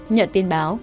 nhận tin báo